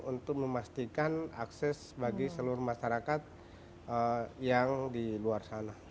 untuk memastikan akses bagi seluruh masyarakat yang di luar sana